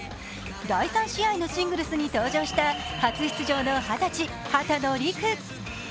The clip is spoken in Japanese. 第３試合のシングルスに登場した初出場の二十歳、秦野陸。